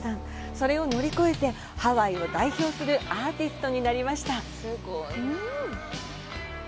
それを乗り越えてハワイを代表するアーティストになりました。